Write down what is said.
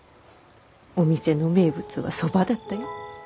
お店の名物はそばだったよ。